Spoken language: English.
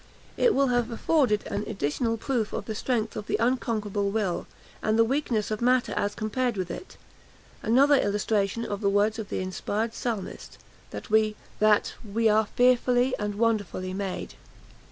It will have afforded an additional proof of the strength of the unconquerable will, and the weakness of matter as compared with it; another illustration of the words of the inspired Psalmist, that "we are fearfully and wonderfully made."